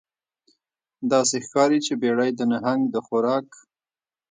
داسې ښکاري چې بیړۍ د نهنګ د خوراک